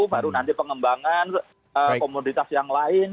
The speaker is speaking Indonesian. baru nanti pengembangan komoditas yang lain